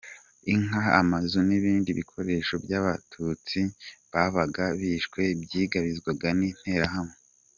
Inka, amazu n’ibindi bikoresho by’abatutsi babaga bishwe byigabizwaga n’Interahamwe.